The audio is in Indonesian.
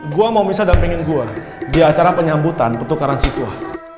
gue mau misa dampingin gue di acara penyambutan pertukaran siswa